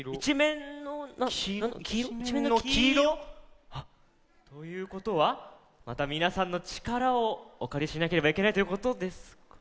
きいろ！ということはまたみなさんのちからをおかりしなければいけないということですか？